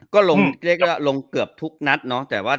ก็ลงเกือบทุกนัดเนาะ